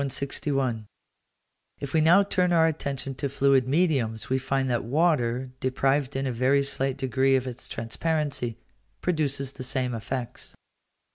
161. If we now turn our attention to fluid mediums, we find that water, deprived in a very slight degree of its transparency, produces the same effects.